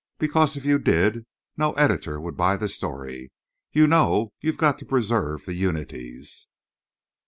"Because if you did no editor would buy the story. You know you've got to preserve the unities."